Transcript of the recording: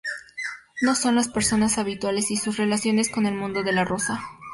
No son las personas habituales y sus relaciones con el mundo de la rosa.